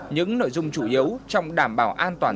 những nội dung chủ yếu trong đảm bảo an toàn